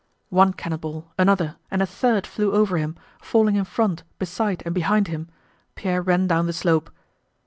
One cannon ball, another, and a third flew over him, falling in front, beside, and behind him. Pierre ran down the slope.